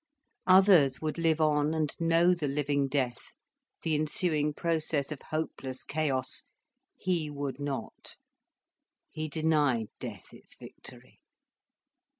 Others would live on, and know the living death, the ensuing process of hopeless chaos. He would not. He denied death its victory.